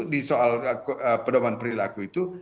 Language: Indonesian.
di soal pedoman perilaku itu